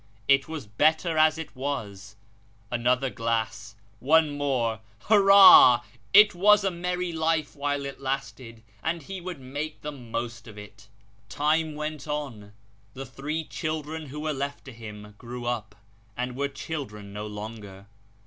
It was better as it was. Another glass one more ! Hurrah ! It was a merry life while it lasted ; and he would make the most of it. Time went on ; the three children who were left to him, grew up, and were children no longer.